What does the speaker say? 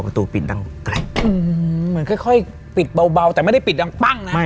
ประตูปิดดังไกลเหมือนค่อยปิดเบาแต่ไม่ได้ปิดดังปั้งนะ